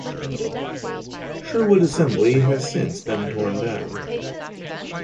Sherwood Assembly has since been torn down.